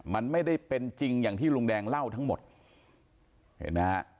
มันไม่ได้เป็นจริงอย่างที่ลุงแดงเล่าทั้งหมดเห็นไหมฮะ